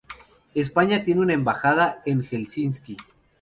España tiene una embajada en Helsinki.